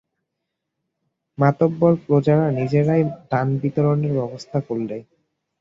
মাতব্বর প্রজারা নিজেরাই দানবিতরণের ব্যবস্থা করলে।